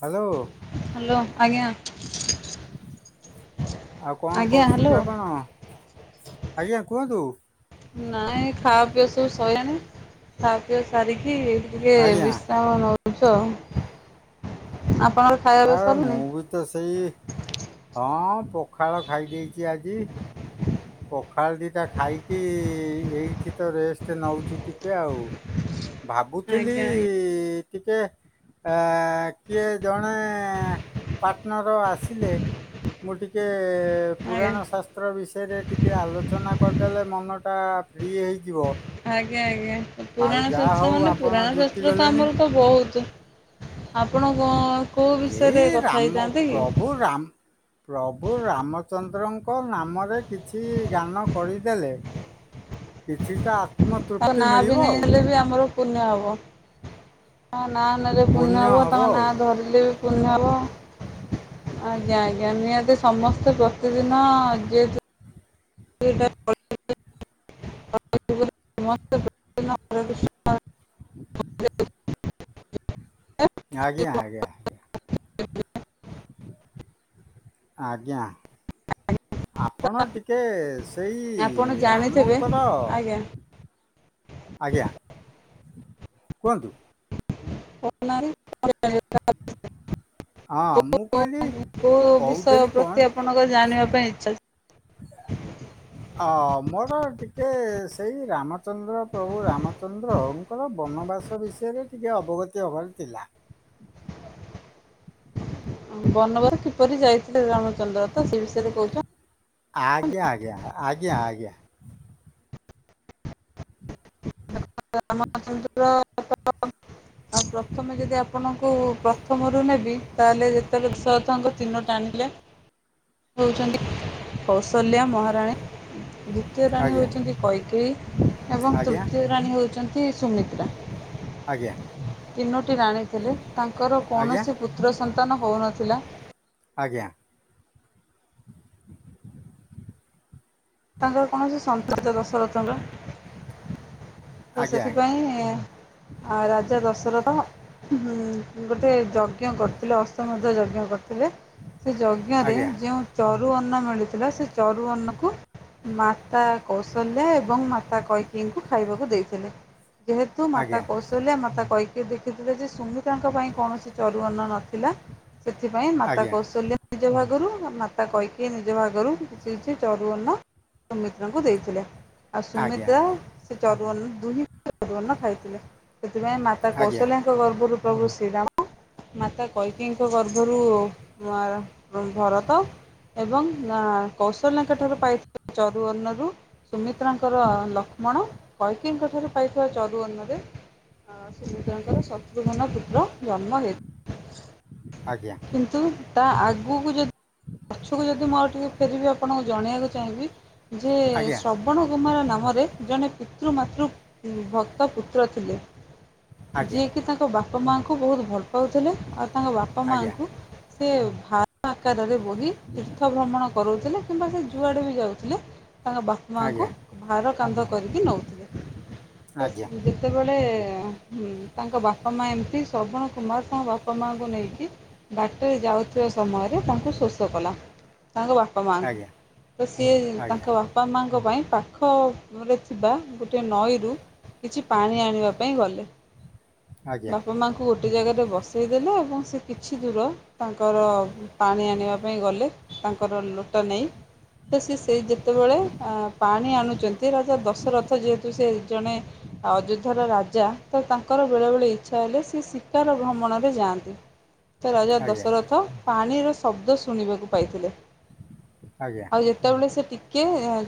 Hello hello ଆଜ୍ଞା ଆଉ କଣ ଆଜ୍ଞା ହ୍ୟାଲୋ କରୁଛନ୍ତି ଆପଣ? ଆଜ୍ଞା କୁହନ୍ତୁ। ନାଇଁ ଖା ପିଇବା ସବୁ ସିଲଣି ଖାବାପିଇ ସାରିକି ଟିକେ ଆଜ୍ଞା ବିଶ୍ରାମ ନଉଛ ଆ ଏ ମୁଁ ବି ତ ସେଇ ହଁ ପଖାଳ ଖାଇ ଦେଇଛି ଆଜି। ପଖାଳ ଦୁଇଟା ଖାଇକି ଏଇଠି ତ ରେଷ୍ଟ ନେଉଛି ଟିକେ ଆଉ। ଭାବୁଥିଲି ଆଜ୍ଞା ଆଜ୍ଞା ଟିକେ ଅ କିଏ ଜଣ ମେ ପାର୍ଟନର ଆସିଲେ ମୁଁ ଟିକେ ପୁରାଣ ଆଜ୍ଞା ଶାସ୍ତ୍ର ବିଷ ସେଷରେ ଟିକିେ ଆଲୋଚନା କରିଦେଲେ ମନଟା ଫ୍ରି ହେଇଯିବ। ଆଜ୍ଞା ଆଜ୍ଞା ଆଉ ପୁରାଣ ଯାହା ଶାସ୍ତ୍ର ହଉ ମାନେ ଆପଣ ପୁରାଣ ଜୁଟି ଶାସ୍ତ୍ର ତ ଗଲେଣି ଆମର ତ ବହୁତ ଆପଣ କଣ? ଏଇ ରାମ ପ୍ରଭୁ ରାମ ପ୍ରଭୁ ରାମଚନ୍ଦ୍ରଙ୍କ ନାମରେ କିଛି ଗାନ କରିଦେଲେ କିଚି ଟା ଆଉ ନାଁ ବି ନେଇ ହେଲେ ବି ଆମର ପୁଣ୍ୟ ହବ। ନାଁ ନେଲେ ପୁନିଆ ପୁଣ୍ୟ ହେବ ତାଙ୍କ ନାଁ ଆଉ ଧରିଲେ ବି ପୁନିଆ ହେବ। ଆଜ୍ଞା ଆଜ୍ଞା ନିହାତି ସମସ୍ତେ ପ୍ରତିଦିନ ଆ [unintelligible] ହଁ [unintelligible] ଆଜ୍ଞା ଆଜ୍ଞା ଆଜ୍ଞା। ଆଜ୍ଞା। ଆପଣ ଟିକେ ସେଇ ଜାଣିଥିବେ ରାମଙ୍କର ଆଜ୍ଞା ଆଜ୍ଞା କୁହନ୍ତୁ। [unintelligible] [unintelligible] ହଁ ମୁଁ କହିଲି କୋଉ ବିଷୟ କହୁଥିଲି କ'ଣ ପ୍ରତି ଆପଣଙ୍କ ଜାଣିବା ପାଇଁ ଇଚ୍ଛା? [unintelligible] ହଁ ମୋର ଟିକେ ସେଇ ରାମଚନ୍ଦ୍ର ପ୍ରଭୁ ରାମଚନ୍ଦ୍ର ତାଙ୍କର ବନବାସ ବିଷୟରେ ଟିକେ ଅବଗତି ହେବାର ଥିଲା। ବନବାସ କିପରି ଯାଇଥିଲେ ରାମଚନ୍ଦ୍ର ତ ସେ ବିଷୟରେ କହୁଛନ୍ ଆଜ୍ଞା ଆଜ୍ଞା ଆଜ୍ଞା ଆଜ୍ଞା। [unintelligible] ପ୍ରଥମେ ଯଦି ଆପଣଙ୍କୁ ପ୍ରଥମରୁ ନେବି ତାହେଲେ ଯେତେବେଳେ ଦଶରଧଙ୍କ ଚିହ୍ନଟ ଆଣିଲେ। ହେଉଛନ୍ତି କୌଶଲ୍ୟା ମହାରାଣୀ। ଦ୍ୱିତୀୟ ରାଣୀ ହେଉଛନ୍ତି କୈକେୟୀ ଏବଂ ଆଜ୍ଞା ତୃତୀୟ ରାଣୀ ହେଉଛନ୍ତି ସୁମିତ୍ରା। ଆଜ୍ଞା ତିନୋଟି ରାଣୀ ଥିଲେ। ତାଙ୍କର ଆଜ୍ଞା କୌଣସି ପୁତ୍ର ସନ୍ତାନ- ନ୍ତାନ ହଉନଥିଲା। ଆଜ୍ଞା। ତାଙ୍କର କୌଣସି ସନ୍ତାନ ନଥିବାରୁ ଦଶରଥଙ୍କ- ତ ଆଜ୍ଞା ସେଥିପାଇଁ ରାଜା ଦଶରଥ- ହୁଁ ଗୋଟେ ଯଜ୍ଞ କରିଥିଲେ ଅସ୍ତମଧ୍ୟ ଯଜ୍ଞ କରିଥିଲେ। ଥିଲେ ସେ ଯଜ୍ଞରେ ଆଜ୍ଞା ଯେଉଁ ଚରୁ ଅନ୍ନ ମିଳିଥିଲା ସେ ଚରୁ ଅନ୍ନକୁ ମାତା କୌଶଲ୍ୟା ଏବଂ ମାତା କୈକେଇଙ୍କୁ ଖାଇବାକୁ ଦେଇଥିଲେ ଯେହେତୁ ମାତା ଆଜ୍ଞା କୌଶଲ୍ୟା ମାତା କୈଇ କିଏ ଦେଖିଥିଲେ ଯେ ସୁମିତ୍ରାଙ୍କ ପାଇଁ କୌଣସି ଚରୁଅନ୍ନ ନଥିଲା ସେଥିପାଇଁ ଆଜ୍ଞା ମାତା ଆଜ୍ଞା କୌଶଲ୍ୟା ନିଜ ଭାଗରୁ ମାତା କୈକେୟୀ ନିଜ ଭାଗରୁ କିଛି କିଛି ଚରୁଅନ୍ନ ସୁମିତ୍ରାଙ୍କୁ ଦେଇଥିଲେ ଆଉ ସୁମିତ୍ରା ଆଜ୍ଞା ସେ ଚରୁଅନ୍ନ ଦୁହିଁ ଚାରୁ ଅନ୍ନ ଖାଇଥିଲେ ସେଥିପାଇଁ ମାତା ଆଜ୍ଞା ଆଜ୍ଞା କୌଶଲ୍ୟାଙ୍କ ଗର୍ଭରୁ ପ୍ରଭୁ ଶ୍ରୀରାମ ମାତା କୈତିକେୟୀଙ୍କ ଗର୍ଭରୁ ମ ଭରତ ଏବଂ ଅ କୌଶଲ୍ୟାଙ୍କ ଠାରୁ ପାଇଥିବା ଚରୁଅନ୍ନ ରୁ ସୁମିତ୍ରାଙ୍କର ଲ ଲକ୍ଷ୍ମଣ କୈକେୟୀଙ୍କ ଠାରୁ ପାଇଥିବା କୈକେୟୀ ଚରୁ ଅନ୍ନରେ ଅ ଶୁମିତ୍ରାଙ୍କର ଶତ୍ରୁଘ୍ନ ପୁତ୍ର ଜନ୍ମ ହେଇ ଆଜ୍ଞା କିନ୍ତୁ ତା ଆଗକୁ ଯଦି ପଛକୁ ଯଦି ମୁଁ ଆଉ ଟିକେ ଫେରିବିି ଆପଣଙ୍କୁ ଜଣେଇବାକୁ ଚାହିଁବି ଯେ ଆଜ୍ଞା ଆଜ୍ଞା ଶ୍ରବଣ କୁମାର ନାମରେ ଜଣେ ପିତୃ ମାତୃ ଉ ଭକ୍ତ ପୁତ୍ର ଥିଲେ ଯିଏକି ତାଙ୍କ ବା ବାପା ମାଆଙ୍କୁ ବହୁତ ଭଲ ପାଉଥିଲେ ଆଉ ତାଙ୍କ ବାପା ଆଜ୍ଞା ଆଜ୍ଞା ମାଆଙ୍କୁ ସେ ଭା ଭାର ଆକାରରେ ବୋହି ତୀର୍ଥ ଭ୍ରମଣ କରଉଥିଲେ କିନ୍ତୁ ସେ ଯୁଆଡେ ବି ଯାଉଥିଲେ ତାଙ୍କ ବାପ ଆଜ୍ଞା ଆଜ୍ଞା ଆଜ୍ଞା ମାଙ୍କୁ ଭାର କାନ୍ଧ କରିକି ନେଉଥିଲେ ଆଜ୍ଞା ଆଜ୍ଞା ଆଜ୍ଞା ଆଜ୍ଞା ଆଜ୍ଞା ଆଜ୍ଞା ଆଜ୍ଞା ଆଜ୍ଞା ଆଜ୍ଞା ଆଜ୍ଞା ସେ ଯେତେବେଳେ ଯେତେବେଳେ ଏ ଉ ତାଙ୍କ ବାପା ମା ଏମିତି ଶ୍ରବଣ କୁମାର ତାଙ୍କ ବାପା ମାଙ୍କୁ ନେଇକି ବାଟରେ ଯାଉଥିବା ସମୟରେ ତାଙ୍କୁ ଶୋଷ କଲା। ତାଙ୍କ ବାପା ମାଆଙ୍କୁ ତ ସିଏ ଆଜ୍ଞା ତାଙ୍କ ବାପା ମାଙ୍କ ପାଇଁ ପାଖ ଆଉ [unintelligible] ଥିବା ଗୋଟିଏ ନଈରୁ କିଛି ପାଣି ଆଣିବା ପାଇଁ ଗଲେ। ବାପା ମାଙ୍କୁ ଗୋଟେ ଜାଗାରେ ବସେଇ ଦେଲେ ଏବଂ ସେ କିଛି ଦୂର ତାଙ୍କର ପାଣି ଆଣିବା ପାଇଁ ଗଲେ ତାଙ୍କର ଲୋଟ ନେଇ ତ ସେ ସେଇ ଦି ଯେତେବେଳେ ଅ ପାଣି ଆଣୁଛନ୍ତି ରାଜା ଦଶରଥ ଯେହେତୁ ସେ ଜଣେ ଅଯୋଧ୍ୟାର ରାଜା ତ ତାଙ୍କର ବେଳେବେଳେ ଇଚ୍ଛା ହେଲେ ସ ଶିକାର ଭ୍ରମଣରେ ଯାଆ ଯାନ୍ତି ରାଜା ଦଶରଥ ପାଣିର ଶବ୍ଦ ଶୁଣିବାକୁ ପାଇଥିଲେ। ଆଉ ଯେତେବେଳେ ସେ ଟିକେ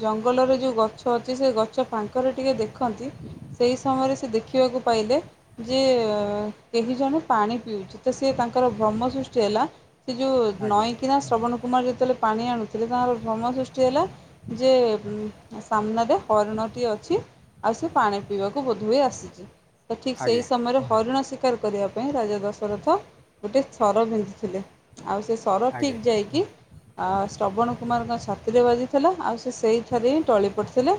ଜଙ୍ଗଲରେ ଯୋଉ ଗଛ ଅଛି ସେ ଗଛ ଫାଙ୍କ ରେ ଟିକେ ଦେଖନ୍ତି। ସେଇ ସମୟରେ ସେ ଦେଖିବାକୁ ପାଇଲେ ଯେ କେହି ଜଣେ ପାଣି ପିଉଛି ତ ସେ ତା ତାଙ୍କର ଭ୍ରମ ସୃଷ୍ଟି ହେଲା ଯୋଉ ନଈକିନା ଶ୍ରବଣ କୁମାର ଯେତେବେଳେ ପାଣି ଆଣୁଥିଲେ ତାଙ୍କର ଭ୍ରମ ସୃଷ୍ଟି ହେଲା ଯେ ସାମ୍ନାରେ ହରିଣଟିଏ ଅଛି ଆଉ ସେ ପାଣି ପିଇବାକୁ ବୋଧହୁଏ ଆସିଛି ତ ଠିକ ସେଇ ସମୟରେ ହରିଣ ଶି ଶିକାର କରିବା ପାଇଁ ରାଜା ଦଶରଥ ଗୋଟେ ସର ପିନ୍ଧିଥିଲେ ଆଉ ସେ ସେ ସର ଠିକ୍ ଯାଇକି ଅ ଶ୍ରବଣ କୁମାରଙ୍କ ଛାତିରେ ବାଜିଥିଲା ଆଉ ସେଇଠାରେ ହିଁ ଟଳି ପଡିଥିଲେ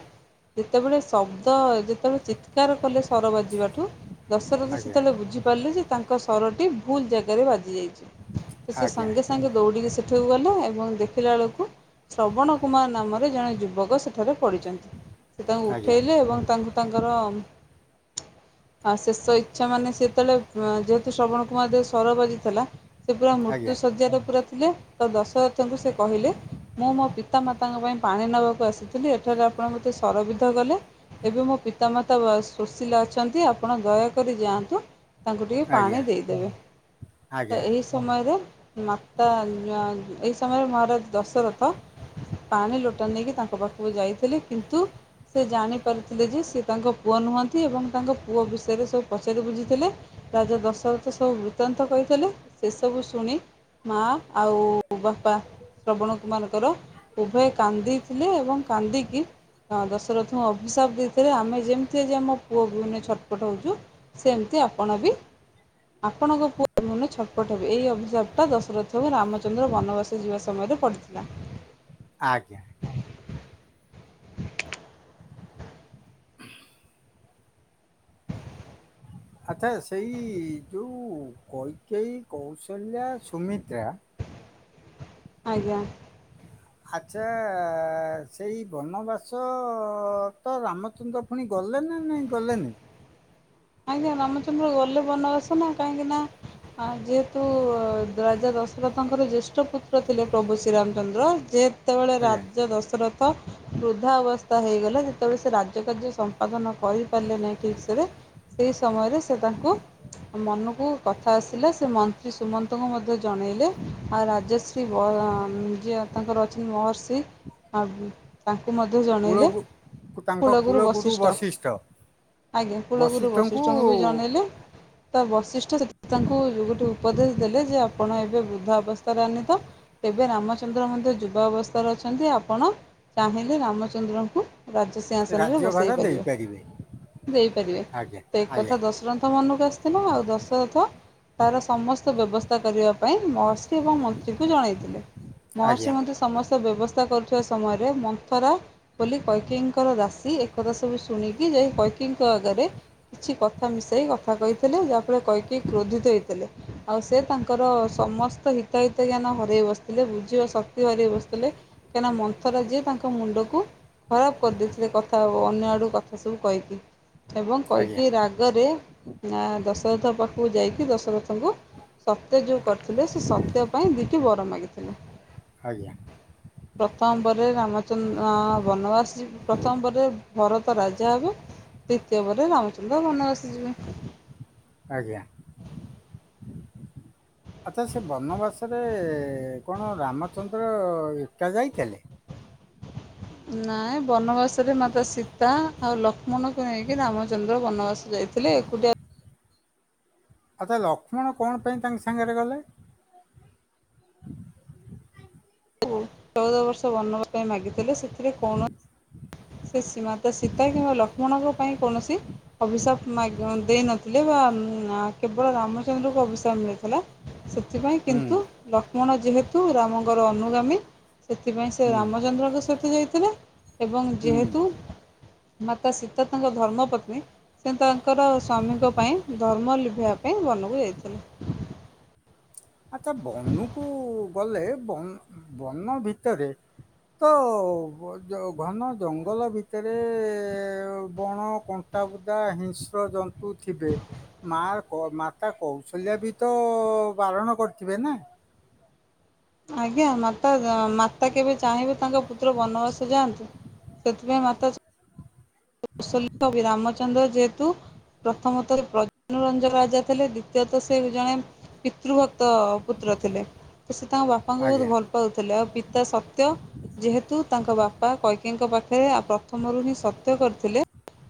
ଯେତେବେଳେ ଶବ୍ଦ ସେତେବେଳେ ଚିତ୍କାର କଲେ ସର ବାଜିବାଠୁ ଦଶରଥ ସେତେବେଳେ ବୁଝିପାରିଲେ ଯେ ତାଙ୍କ ସ ସରଟି ଭୁଲ ଜାଗାରେ ବାଜି ଯାଇଛି ତ ସେ ସାଙ୍ଗେ ସାଙ୍ଗେ ଦୌଡ଼ିକି ସେ ସେଠାକୁ ଗଲେ ଏବଂ ଦେଖିଲା ବେଳକୁ ଶ୍ରବଣ କୁମାର ନାମରେ ଜଣେ ଯୁବକ ସେଠାରେ ପଡ଼ିଛନ୍ତି। ସେ ତାଙ୍କୁ ଉଠାଇଲେ ଏବଂ ତାଙ୍କୁ ତାଙ୍କର ଆ ଶେଷ ଇଛା ମାନେ ସେତେବେଳେ ଅ ଯେହେତୁ ଶ୍ରବଣ କୁମାର ଦେ ସର ବାଜିଥିଲା ସେ ପୁରା ଆଜ୍ଞା ମୃତ୍ୟୁ ଶଯ୍ୟାରେ ପୁରା ଥିଲେ ତ ଦଶରଥଙ୍କୁ ସେ କହିଲେ ମୁଁ ମୋ ପିତାମାତାଙ୍କ ପାଇଁ ପାଣି ନେବାକୁ ଆସିଥିଲି ଏଠାରେ ଆପଣ ମୋତେ ରବଧ ଗଲେ ଏବେ ମୋ ପିତାମାତା ସୁଶିଲ ଅଛନ୍ତି ଆପଣ ଦୟାକରି ଯାଆନ୍ତୁ। ତାଙ୍କୁ ଟିକେ ପାଣି ଦେଇଦେବେ। ତ ଏହି ସମୟରେ ମାତା ଏହି ସମୟରେ ମହାରାଜ ଦଶରଥ ପାଣି ଲୋଟା ନେଇକି ତାଙ୍କ ପାଖକୁ ଯାଇଥିଲେ କିନ୍ତୁ। ସେ ଜାଣି ପାରିଥିଲେ ଯେ ସେ ତାଙ୍କ ପୁଅ ନୁହଁନ୍ତି ଏବଂ ତାଙ୍କ ପୁଅ ବିଷୟରେ ସବୁ ପଚାରି ବୁଝିଥିଲେ। ରାଜା ଦଶରଥ ସବୁ ବୃତ୍ତାନ୍ତ କହିଥିଲେ ସେ ସବୁ ଶୁଣି। ମା ଆଉ ବାପା। ଶ୍ରବଣ କୁମାରଙ୍କର ଉଭୟ କାନ୍ଦିଥିଲେ ଏବଂ କାନ୍ଦିକି ଦଶରଥଙ୍କୁ ଅଭିଶାପ ଦେଇଥିଲେ ଆମେ ଯେମିତି ଯେ ଆମ ପୁଅ ବିନେ ଛଟପଟ ହଉଛୁ ସେମିତି ଆପଣ ବି ଆପଣଙ୍କ ପୁଅ ମୁନେ ଛପଟ ହେବେ ଏହି ଅଭିସାପ ଟା ଦଶରଥ କୁ ରାମଚନ୍ଦ୍ର ବନବାସ ଯିବା ସମୟରେ ପଡ଼ିଥିଲା। ଆଜ୍ଞା [inaudible] ଆଚ୍ଛା ସେଇ ଯୋଉ କୈକେଇ, କୌଶଲ୍ୟା, ସୁମିତ୍ରା ଆଜ୍ଞା। ଆଚ୍ଛା ସେଇ ବନବାସ ତ ରାମଚନ୍ଦ୍ର ପୁଣି ଗ ଗଲେ ନା ନାହିଁ କଲେ ନି। କାଇଁ ରାମଚନ୍ଦ୍ର ଗଲେ ବନବାସ ନା କାହିଁକି ନା ହଁ ଯେହେତୁ ରାଜା ଦଶରଥଙ୍କର ଜ୍ୟେଷ୍ଠ ପୁତ୍ର ଥିଲେ ପ୍ରଭୁ ଶ୍ରୀରାମଚନ୍ଦ୍ର ଯେ ଯେତେବେଳେ ଆଜ୍ଞା ରାଜ ଦଶରଥ ବୃଦ୍ଧା ଅବସ୍ଥା ହେଇଗଲା ଯେତେବେଳେ ସେ ରାଜ କାର୍ଯ୍ୟ ସମ୍ପାଦନ କରିପାରିଲେ ନାହିଁ ଠିକ ସେରେ। ସେହି ସମୟରେ ସେ ତାଙ୍କୁ ମନକୁ କଥା ଆସିଲା ସେ ମନ୍ତ୍ରୀ ସୁମନ୍ତଙ୍କୁ ମଧ୍ୟ ଜଣେଇଲେ ଆଉ ରାଜଶ୍ରୀ ବ ଯିଏ ତାଙ୍କର ଅଛନ୍ତି ମହର୍ଷି ତାଙ୍କୁ ମଧ୍ୟ ଜଣାଇଲେ କୂଳକୁ ତାଙ୍କ କୁଳଗୁରୁ କୂଳଗୁରୁ ବଶିଷ୍ଠ। ଆଜ୍ଞା କୁଳଗୁରୁ ବଶିଷ୍ଠଙ୍କୁ ବି ଜଣେଇଲେ ତ ବଶିଷ୍ଠ ତାଙ୍କୁ ଗୋଟେ ଉପଦେଶ ଦେଲେ ଯେ ଆପଣ ଏବେ ବୃଦ୍ଧା ଅବସ୍ଥାରେ ଆନିତ ଏବେ ରାମଚନ୍ଦ୍ର ମନ୍ଦିର ଯୁବା ଅବସ୍ତା ଅବସ୍ତାର ଅଛନ୍ତି ଆପଣ ଚାହିଁଲେ ରାମଚନ୍ଦ୍ରଙ୍କୁ ରାଜ ସିଂ ଆସନରେ ରାଜ୍ୟଭାର ବସେଇ ପାରିବେ ଦେଇପାରିବେ ଦେଇପାରିବେ। ଆଜ୍ଞା ତ ଏକଥା ଆଜ୍ଞା ଦଶରଥ ମନକୁ ଆସିଥିଲା ଆଉ ଦଶରଥ ତାର ସମସ୍ତ ବ୍ୟବସ୍ଥା କରିବା ପାଇଁ ମହର୍ଷି ଏବଂ ମନ୍ତ୍ରୀଙ୍କୁ ଜଣେଇଥିଲେ ମହର୍ଷି ଆଜ୍ଞା। ମନ୍ତ୍ରୀ ସମସ୍ତେ ବ୍ୟବସ୍ଥା କରୁଥିବା ସମୟରେ ମନ୍ଥରା ବୋଲି କୈକେଇଙ୍କର ଦାସୀ ଏକତା ସବୁ ଶୁଣିକି କୈକେଇଙ୍କ ଆଗରେ କିଛି କଥା ମିଶାଇ କଥା କହିଥିଲେ ଯାହାଫଳରେ କୈକେଇ କ୍ରୋଧିତ ହୋଇଥିଲେ ଆଉ ସେ ତାଙ୍କର ସମସ୍ତ ହିତାହିତ ଜ୍ଞାନ ହରେଇ ବସିଥିଲେ ବୁଝିବା ଶକ୍ତି ହରେଇ ବସିଥିଲେ କାହିଁକିନା ମନ୍ଥର ଯିଏ ତାଙ୍କ ମୁଣ୍ଡକୁ ଖରାପ କରିଦେଇଥିଲେ କଥା ଅନ୍ୟ ଆଡୁ କଥା ସବୁ କହିକି। ଏବଂ ଆଜ୍ଞା କହିକି ରାଗରେ ଦଶରଥ ପାଖକୁ ଯାଇକି ଦଶରଥଙ୍କୁ ସତ୍ୟ ଯୋଉ କରିଥିଲେ ସେ ସତ୍ୟ ପାଇଁ ଦେଇକି ବର ମାଗିଥିଲେ। ଆଜ୍ଞା ପ୍ରଥମ ପରେ ରାମଚନ୍ଦ୍ର ବନବାସ। ପ୍ରଥମ ପରେ ଭରତ ରାଜା ହେବେ ଦ୍ୱିତୀୟ ପରେ ରାମଚ ନ୍ଦ ବନବାସ ଯିବେ। ଆଜ୍ଞା। ଆଚ୍ଛା ସେ ବନବାସରେ କଣ ରାମଚନ୍ଦ୍ର ଏକା ଯାଇଥିଲେ? ନାଇଁ ବନବାସ ରେ ମାତା ସୀତା ଆଉ ଲକ୍ଷ୍ମଣକୁ ନେଇକି ରାମଚନ୍ଦ୍ର ବନବାସ ଯାଇ ଥିଲେ ଏକୁଟିଆ। ଆଚ୍ଛା ଲକ୍ଷ୍ମଣ କଣ ପାଇଁ ତାଙ୍କ ସାଙ୍ଗରେ ଗଲେ? ଚଉଦ ବନବାସ ପାଇଁ ମାଗିଥିଲେ ସେଥିରେ କୌଣ ସି ଶିବମାତା ସୀତା କିମ୍ବା ଲକ୍ଷ୍ମଣଙ୍କ ପାଇଁ କୌଣସି ଅଭିଶାପ ମାଗି ଦେଇନଥିଲେ ବା କେବଳ ରାମଚନ୍ଦ୍ରଙ୍କୁ ଅଭିସାପ ମିଳିଥିଲା। ସେଥିପାଇଁ ହୁଁ କିନ୍ତୁ ଲକ୍ଷ୍ମଣ ଯେହେତୁ ରାମଙ୍କର ଅନୁଗାମୀ ସେଥିପାଇଁ ସେ ହୁଁ ରାମଚନ୍ଦ୍ରଙ୍କ ସହିତ ଯାଇଥିଲେ ଏବଂ ହୁଁ ଯେହେତୁ ମାତା ସୀତ ତାଙ୍କ ଧର୍ମପତ୍ନୀ ସେ ତାଙ୍କର ସ୍ୱାମୀଙ୍କ ପାଇଁ ଧର୍ମ ଲିଭିବା ପାଇଁ ବନକୁ ଯାଇଥିଲେ। ଆଚ୍ଛା ବନକୁ ଗଲେ ବ ବନ ଭିତରେ ତ ଘନ ଜଙ୍ଗଲ ଭିତରେ ବଣକ ଲଟାବୁଦା ହିଂସ୍ର ଜନ୍ତୁ। ଥିବେ। ମା ମାତା କୌଶଲ୍ୟା ବି ତ ବାରଣ କରୁଥିବେ ନା। ଆଜ୍ଞା ମାତା ମାତା କେବେ ଚାହିଁବେ ତାଙ୍କ ପୁତ୍ର ବନବାସ ଯାଆନ୍ତୁ। ସେଥିପାଇଁ ମାତା କୌଶଲବ ରାମଚନ୍ଦ୍ର ଯେହେତୁ ପ୍ରଥମତ ପ୍ରଜାନରଞ୍ଜନ ରାଜା ଥିଲେ ଦ୍ଵିତୀୟତ ସେ ଜଣେ ପିତୃଭକ୍ତ ପୁତ୍ର ଥିଲେ ତ ସେ ତାଙ୍କ ବାପାଙ୍କୁ ବହୁତ ଆଜ୍ଞା ଭଲ ପାଉଥିଲେ ଆଉ ପିତା ସତ୍ୟ ଯେହେତୁ ତାଙ୍କ ବାପା କୈକିଙ୍କ ପାଖରେ ଆଉ ପ୍ରଥମରୁ ହିଁ ସତ୍ୟ କରି ଥିଲେ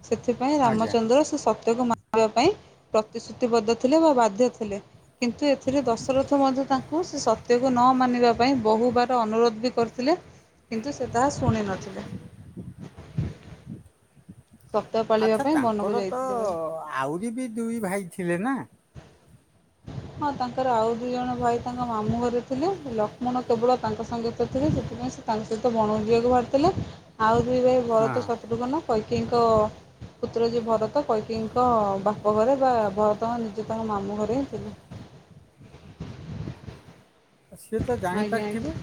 ସେଥିପାଇଁ ଆଜ୍ଞା। ରାମଚନ୍ଦ୍ର ସେ ସତ୍ୟକୁ ମାନିବା ପାଇଁ ପ୍ରତିଶ୍ରୁତିବଦ୍ଧ ଥିଲେ ବା ବାଧ୍ୟ ଥିଲେ। କିନ୍ତୁ ଏଥିରେ ଦଶରଥ ମଧ୍ୟ ତାଙ୍କୁ ସେ ସତ୍ୟକୁ ନ ମାନିବା ପାଇଁ ବହୁବାର ଅନୁରୋଧ ବି କରିଥିଲେ। କିନ୍ତୁ ସେ ତାହା ଶୁଣି ନଥିଲେ। ଆଛା ବନକୁ ତାଙ୍କରତ ଯାଇଥିଲେ। ଆହୁରି ବି ଦୁଇ ଭାଇ ଥିଲେ ନା। ହଁ ତାଙ୍କର ଆଉ ଦୁଇ ଜଣ ଭାଇ ତାଙ୍କ ମାମୁଁ ଘରେ ଥିଲେ ଲକ୍ଷ୍ମଣ କେବଳ ତାଙ୍କ ସଙ୍ଗୀତ ଥିଲେ ସେଥିପାଇଁ ସେ ତାଙ୍କ ସହିତ ବଣକୁଜିବାକୁ ବାହାରିଥିଲେ ଆଉ ଦୁଇ ଭାଇ ହଁ। ଭରତ ଶତ୍ରୁଘ୍ନ କୈକେଇଙ୍କ ପୁତ୍ରଜୀ ଭରତ କୈକିଙ୍କ ବାପଘରେ ବା ଭରତ ନିଜେ ତାଙ୍କ ମାମୁଁ ଘରେ ହିଁ ଥିଲେ। ସିଏ ତ ଆଜ୍ଞା ଆଜ୍ଞା। ଜାଣିପାରିଥିବେ।